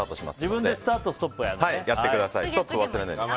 自分でスタート、ストップをやるのね。